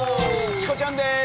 チコちゃんです。